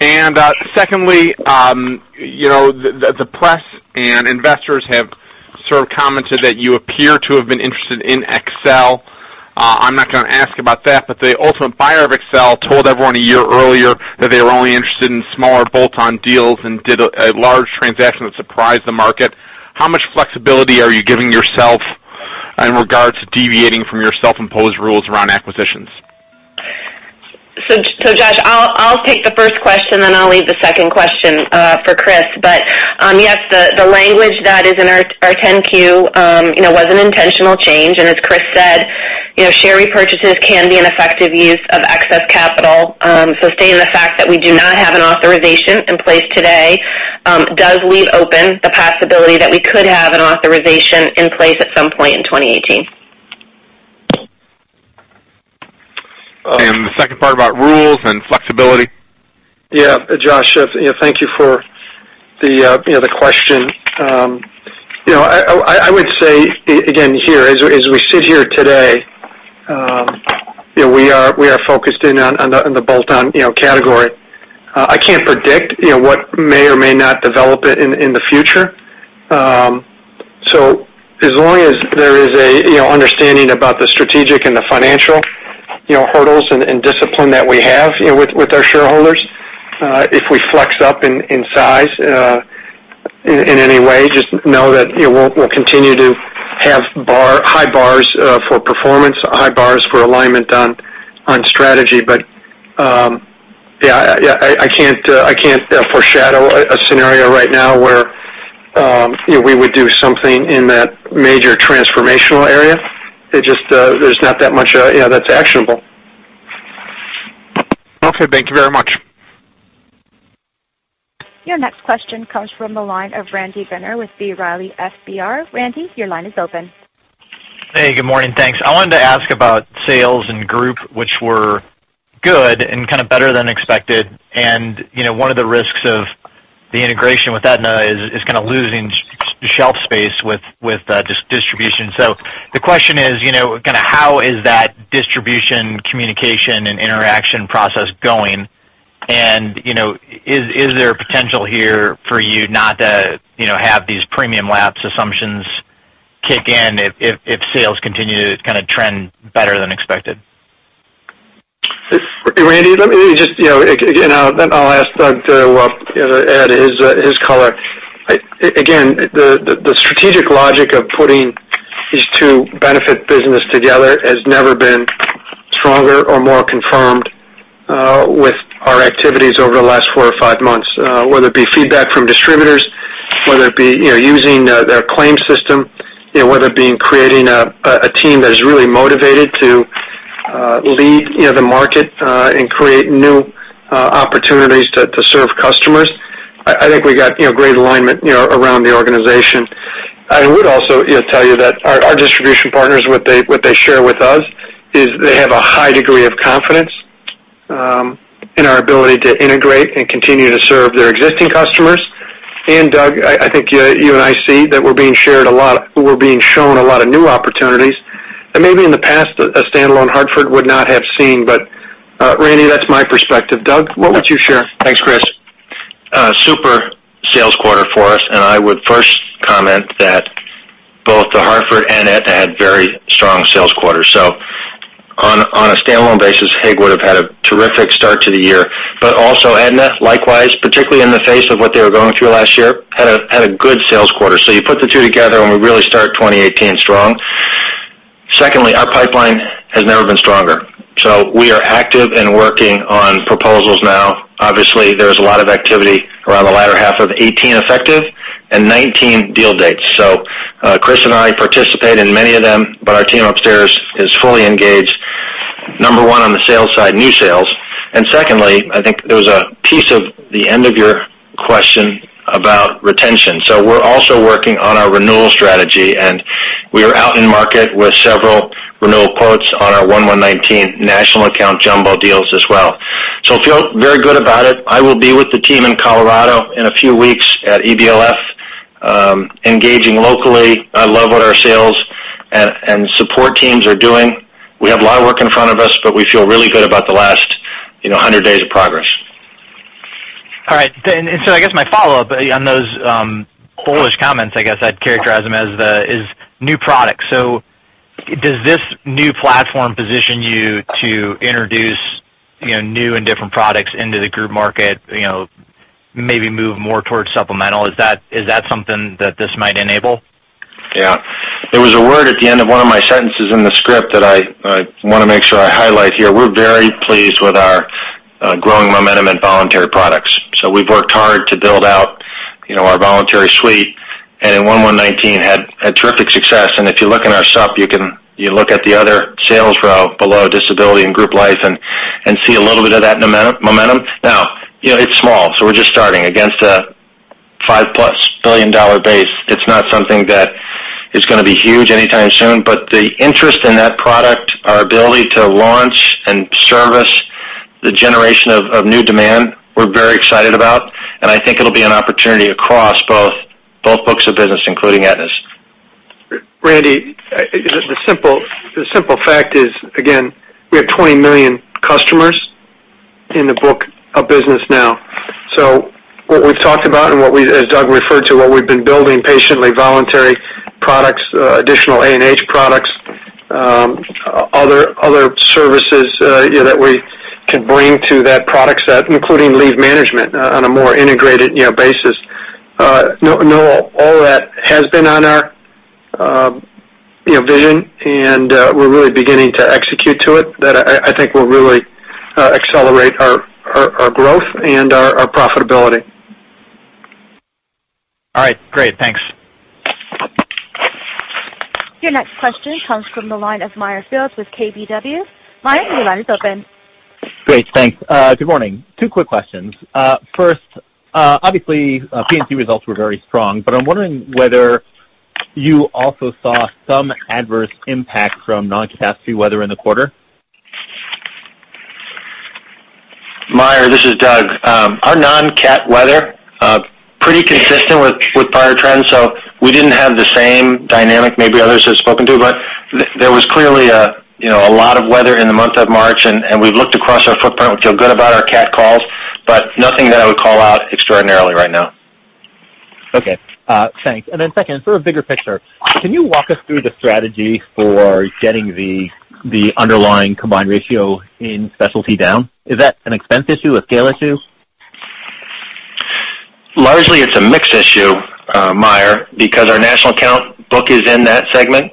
Secondly, the press and investors have commented that you appear to have been interested in XL. I'm not going to ask about that, but the ultimate buyer of XL told everyone a year earlier that they were only interested in smaller bolt-on deals and did a large transaction that surprised the market. How much flexibility are you giving yourself in regards to deviating from your self-imposed rules around acquisitions? Josh, I'll take the first question, then I'll leave the second question for Chris. Yes, the language that is in our 10-Q was an intentional change, and as Chris said, share repurchases can be an effective use of excess capital. Stating the fact that we do not have an authorization in place today does leave open the possibility that we could have an authorization in place at some point in 2018. The second part about rules and flexibility? Josh, thank you for the question. I would say, again, as we sit here today, we are focused in on the bolt-on category. I can't predict what may or may not develop in the future. As long as there is an understanding about the strategic and the financial hurdles and discipline that we have with our shareholders, if we flex up in size in any way, just know that we'll continue to have high bars for performance, high bars for alignment on strategy. I can't foreshadow a scenario right now where we would do something in that major transformational area. There's not that much that's actionable. Thank you very much. Your next question comes from the line of Randy Binner with B. Riley FBR. Randy, your line is open. Hey, good morning. Thanks. I wanted to ask about sales and group, which were good and kind of better than expected. One of the risks of the integration with Aetna is kind of losing shelf space with distribution. The question is, how is that distribution, communication, and interaction process going? Is there a potential here for you not to have these premium lapse assumptions kick in if sales continue to kind of trend better than expected? Randy, let me just again, I'll ask Doug to add his color. Again, the strategic logic of putting these two benefit business together has never been stronger or more confirmed with our activities over the last four or five months, whether it be feedback from distributors, whether it be using their claim system, whether it being creating a team that is really motivated to lead the market and create new opportunities to serve customers. I think we got great alignment around the organization. I would also tell you that our distribution partners, what they share with us is they have a high degree of confidence in our ability to integrate and continue to serve their existing customers. Doug, I think you and I see that we're being shown a lot of new opportunities that maybe in the past, a standalone The Hartford would not have seen. Randy, that's my perspective. Doug, what would you share? Thanks, Chris. I would first comment that both The Hartford and Aetna had very strong sales quarters. Standalone basis, HIG would have had a terrific start to the year. Also Aetna, likewise, particularly in the face of what they were going through last year, had a good sales quarter. You put the two together and we really start 2018 strong. Secondly, our pipeline has never been stronger. We are active and working on proposals now. Obviously, there's a lot of activity around the latter half of 2018 effective and 2019 deal dates. Chris and I participate in many of them, but our team upstairs is fully engaged, number 1, on the sales side, new sales, and secondly, I think there was a piece of the end of your question about retention. We're also working on our renewal strategy, we are out in market with several renewal quotes on our 1/1/2019 national account jumbo deals as well. I feel very good about it. I will be with the team in Colorado in a few weeks at EBLF, engaging locally. I love what our sales and support teams are doing. We have a lot of work in front of us, but we feel really good about the last 100 days of progress. All right. I guess my follow-up on those bullish comments, I guess I'd characterize them as, is new products. Does this new platform position you to introduce new and different products into the group market, maybe move more towards supplemental? Is that something that this might enable? Yeah. There was a word at the end of one of my sentences in the script that I want to make sure I highlight here. We're very pleased with our growing momentum in voluntary products. We've worked hard to build out our voluntary suite, in 1/1/2019 had terrific success. If you look in our sup, you look at the other sales row below disability and group life and see a little bit of that momentum. It's small, we're just starting. Against a $5-plus billion base, it's not something that is going to be huge anytime soon, but the interest in that product, our ability to launch and service the generation of new demand, we're very excited about, and I think it'll be an opportunity across both books of business, including Aetna's. Randy, the simple fact is, again, we have 20 million customers in the book of business now. What we've talked about and as Doug referred to, what we've been building patiently, voluntary products, additional A&H products, other services, that we can bring to that product set, including leave management on a more integrated basis. All that has been on our vision, and we're really beginning to execute to it. That, I think, will really accelerate our growth and our profitability. All right. Great. Thanks. Your next question comes from the line of Meyer Shields with KBW. Meyer, your line is open. Great, thanks. Good morning. Two quick questions. First, obviously, P&C results were very strong. I'm wondering whether you also saw some adverse impact from non-capacity weather in the quarter. Meyer, this is Doug. Our non-cat weather, pretty consistent with prior trends. We didn't have the same dynamic maybe others have spoken to, but there was clearly a lot of weather in the month of March. We've looked across our footprint. We feel good about our cat calls, but nothing that I would call out extraordinarily right now. Okay. Thanks. Second, sort of bigger picture. Can you walk us through the strategy for getting the underlying combined ratio in specialty down? Is that an expense issue, a scale issue? Largely, it's a mix issue, Meyer, because our national account book is in that segment.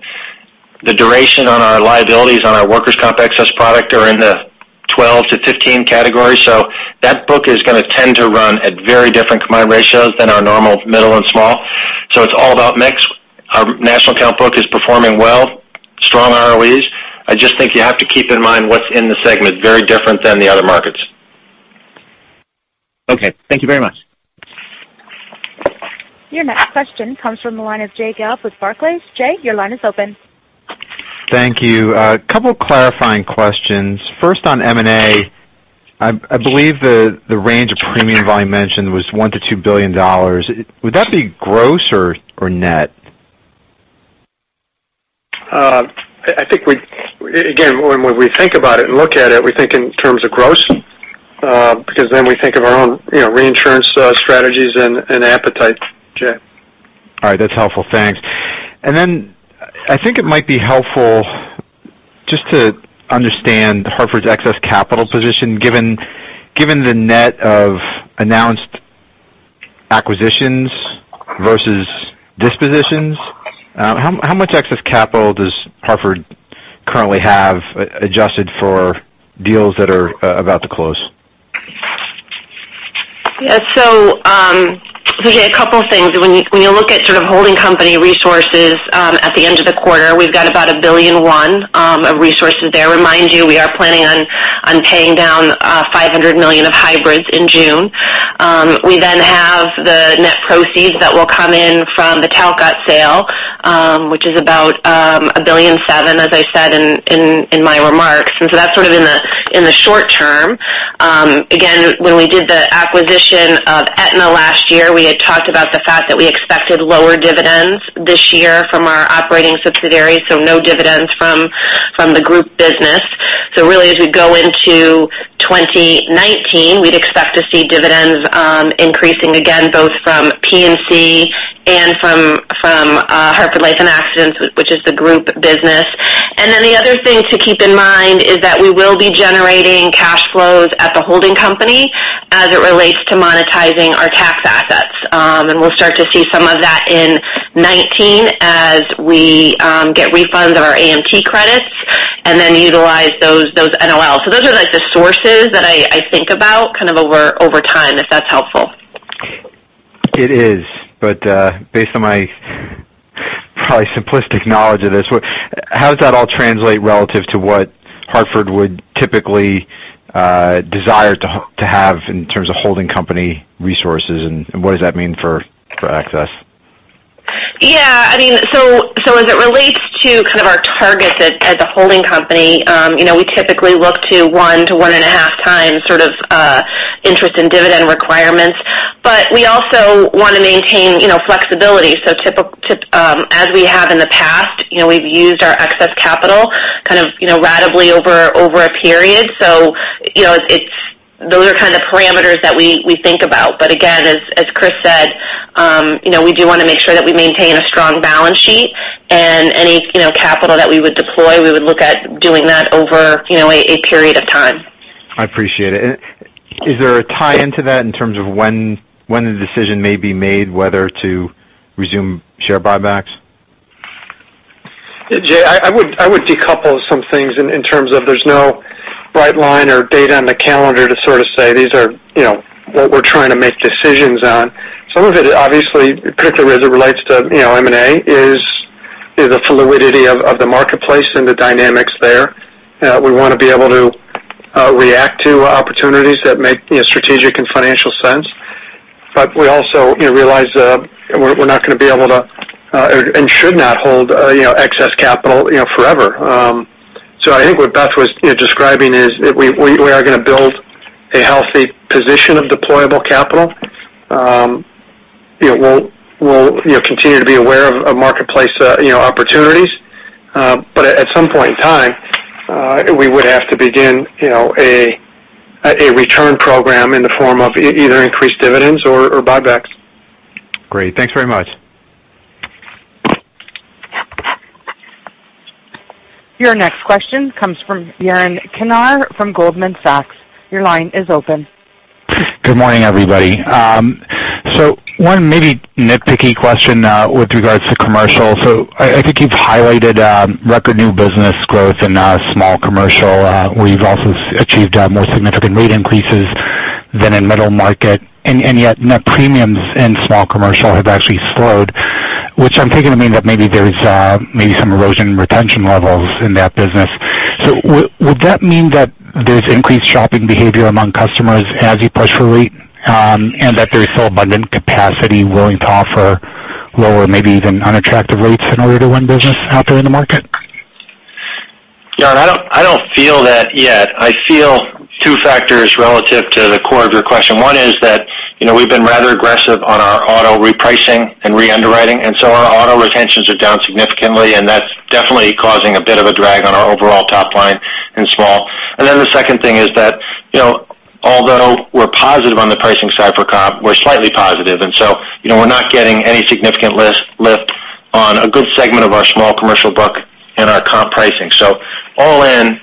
The duration on our liabilities on our workers' comp excess product are in the 12 to 15 category. That book is going to tend to run at very different combined ratios than our normal middle and small. It's all about mix. Our national account book is performing well, strong ROEs. I just think you have to keep in mind what's in the segment, very different than the other markets. Okay. Thank you very much. Your next question comes from the line of Jay Gelb with Barclays. Jay, your line is open. Thank you. A couple clarifying questions. First on M&A, I believe the range of premium volume mentioned was $1 billion-$2 billion. Would that be gross or net? Again, when we think about it and look at it, we think in terms of gross, because then we think of our own reinsurance strategies and appetite, Jay. All right. That's helpful. Thanks. I think it might be helpful just to understand The Hartford's excess capital position, given the net of announced acquisitions versus dispositions. How much excess capital does Hartford currently have, adjusted for deals that are about to close? Yeah. Jay, a couple of things. When you look at sort of holding company resources at the end of the quarter, we've got about $1.1 billion of resources there. Remind you, we are planning on paying down $500 million of hybrids in June. We then have the net proceeds that will come in from the Talcott sale, which is about $1.7 billion, as I said in my remarks. That's sort of in the short term. Again, when we did the acquisition of Aetna last year, we had talked about the fact that we expected lower dividends this year from our operating subsidiaries, so no dividends from the group business. Really, as we go into 2019 increasing again, both from P&C and from Hartford Life and Accident, which is the group business. The other thing to keep in mind is that we will be generating cash flows at the holding company as it relates to monetizing our tax assets. We'll start to see some of that in 2019 as we get refunds of our AMT credits and then utilize those NOLs. Those are the sources that I think about over time, if that's helpful. It is. Based on my probably simplistic knowledge of this, how does that all translate relative to what Hartford would typically desire to have in terms of holding company resources, and what does that mean for access? Yeah. As it relates to our targets as a holding company, we typically look to 1 to 1.5 times interest in dividend requirements. We also want to maintain flexibility. As we have in the past, we've used our excess capital ratably over a period. Those are parameters that we think about. Again, as Chris said, we do want to make sure that we maintain a strong balance sheet, and any capital that we would deploy, we would look at doing that over a period of time. I appreciate it. Is there a tie into that in terms of when the decision may be made whether to resume share buybacks? Jay, I would decouple some things in terms of there's no bright line or date on the calendar to say, these are what we're trying to make decisions on. Some of it obviously, particularly as it relates to M&A, is the fluidity of the marketplace and the dynamics there. We want to be able to react to opportunities that make strategic and financial sense. We also realize we're not going to be able to, and should not hold excess capital forever. I think what Beth was describing is we are going to build a healthy position of deployable capital. We'll continue to be aware of marketplace opportunities. At some point in time, we would have to begin a return program in the form of either increased dividends or buybacks. Great. Thanks very much. Your next question comes from Yaron Kinar from Goldman Sachs. Your line is open. Good morning, everybody. One maybe nitpicky question with regards to commercial. I think you've highlighted record new business growth in small commercial, where you've also achieved more significant rate increases than in middle market. Yet net premiums in small commercial have actually slowed, which I'm taking to mean that maybe there's some erosion in retention levels in that business. Would that mean that there's increased shopping behavior among customers as you push for rate, and that there's still abundant capacity willing to offer lower, maybe even unattractive rates in order to win business out there in the market? Yaron, I don't feel that yet. I feel two factors relative to the core of your question. One is that we've been rather aggressive on our auto repricing and re-underwriting, our auto retentions are down significantly, that's definitely causing a bit of a drag on our overall top line in small. The second thing is that although we're positive on the pricing side for comp, we're slightly positive, we're not getting any significant lift on a good segment of our small commercial book in our comp pricing. All in,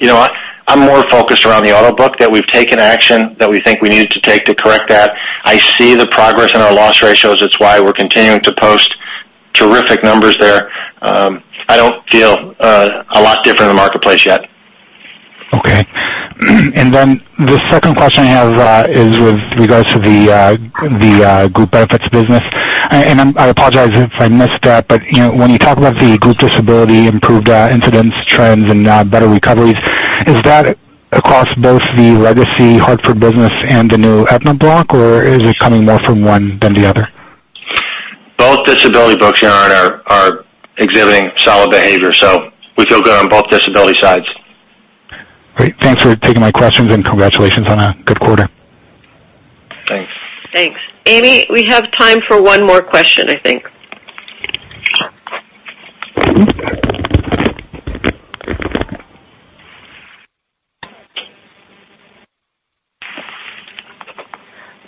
I'm more focused around the auto book that we've taken action that we think we needed to take to correct that. I see the progress in our loss ratios. It's why we're continuing to post terrific numbers there. I don't feel a lot different in the marketplace yet. Okay. The second question I have is with regards to the group benefits business. I apologize if I missed that, when you talk about the group disability improved incidents, trends, and better recoveries, is that across both the legacy Hartford business and the new Aetna block, or is it coming more from one than the other? Both disability books, Yaron, are exhibiting solid behavior, we feel good on both disability sides. Great. Thanks for taking my questions, and congratulations on a good quarter. Thanks. Thanks. Amy, we have time for one more question, I think.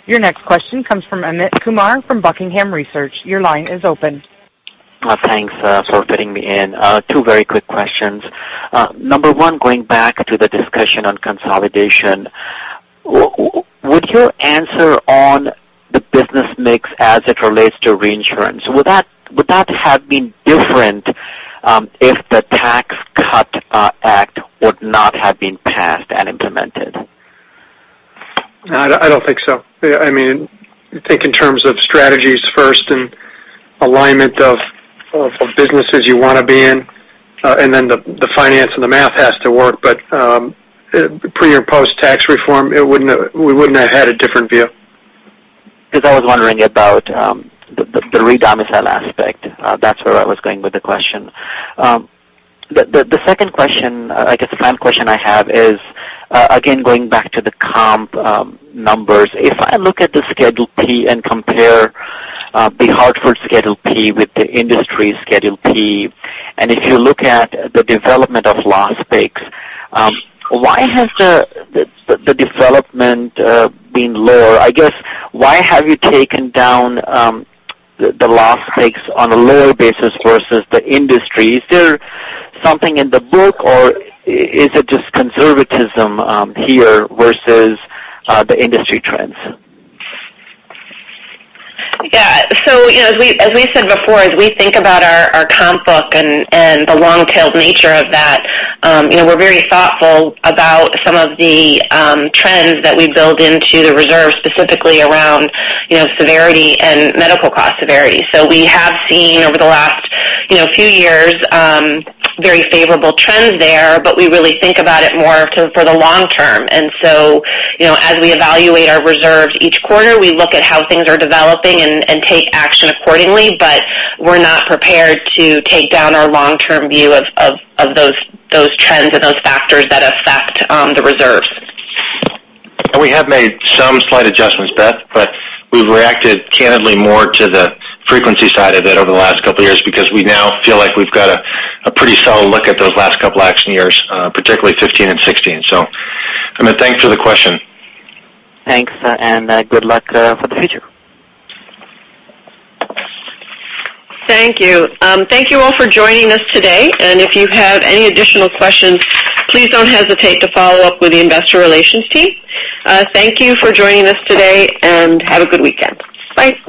Your next question comes from Amit Kumar from Buckingham Research. Your line is open. Thanks for fitting me in. Two very quick questions. Number one, going back to the discussion on consolidation, with your answer on the business mix as it relates to reinsurance, would that have been different if the Tax Cut Act would not have been passed and implemented? I don't think so. I think in terms of strategies first and alignment of businesses you want to be in, then the finance and the math has to work, pre- and post-tax reform, we wouldn't have had a different view. I was wondering about the re-domicile aspect. That's where I was going with the question. The second question, I guess the planned question I have is, again, going back to the comp numbers. If I look at the Schedule P and compare The Hartford Schedule P with the industry Schedule P, if you look at the development of loss picks, why has the development been lower? I guess, why have you taken down the loss picks on a lower basis versus the industry? Is there something in the book, or is it just conservatism here versus the industry trends? As we said before, as we think about our comp book and the long-tailed nature of that, we're very thoughtful about some of the trends that we build into the reserve, specifically around severity and medical cost severity. We have seen over the last few years very favorable trends there, we really think about it more for the long term. As we evaluate our reserves each quarter, we look at how things are developing and take action accordingly. We're not prepared to take down our long-term view of those trends and those factors that affect the reserves. We have made some slight adjustments, Beth, we've reacted candidly more to the frequency side of it over the last couple of years because we now feel like we've got a pretty solid look at those last couple of action years, particularly 2015 and 2016. Amit, thanks for the question. Thanks. Good luck for the future. Thank you. Thank you all for joining us today. If you have any additional questions, please don't hesitate to follow up with the investor relations team. Thank you for joining us today, and have a good weekend. Bye.